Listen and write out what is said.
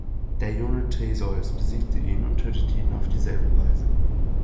Der junge Theseus besiegte ihn und tötete ihn auf dieselbe Weise.